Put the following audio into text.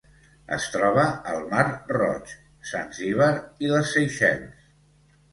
Es troba al Mar Roig, Zanzíbar i les Seychelles.